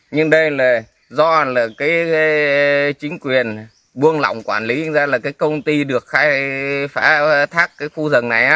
nhưng đây là do chính quyền buông lỏng quản lý ra là công ty được thác khu rừng này